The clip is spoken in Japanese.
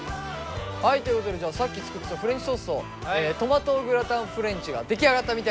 はいということでさっき作ってたフレンチトーストトマトグラタンフレンチが出来上がったみたいです完成が。